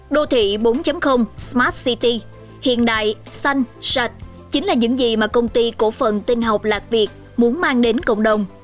đô thị bốn smart city hiện đại xanh sạch chính là những gì mà công ty cổ phần tinh học lạc việt muốn mang đến cộng đồng